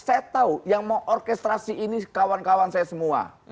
saya tahu yang mau orkestrasi ini kawan kawan saya semua